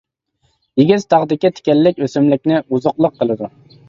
ئېگىز تاغدىكى تىكەنلىك ئۆسۈملۈكنى ئوزۇقلۇق قىلىدۇ.